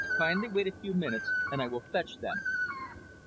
Kindly wait a few minutes and I will fetch them."